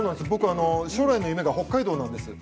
将来の夢が北海道なんです。